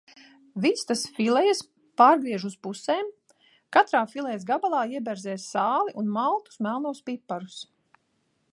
Vistas filejas pārgriež uz pusēm, katrā filejas gabalā ieberzē sāli un maltus melnos piparus.